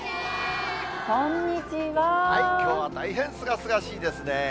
きょうは大変すがすがしいですね。